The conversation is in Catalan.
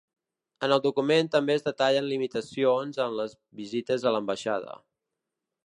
En el document també es detallen limitacions en les visites a l’ambaixada.